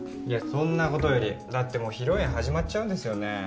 いやそんなことよりだってもう披露宴始まっちゃうんですよね？